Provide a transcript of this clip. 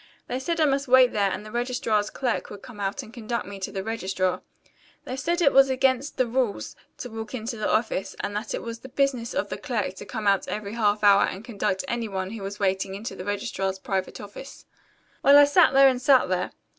They said I must wait there and the registrar's clerk would come out and conduct me to the registrar. They said that it was against the rules to walk into the office and that it was the business of the clerk to come out every half hour and conduct any one who was waiting into the registrar's private office. "Well, I sat there and sat there.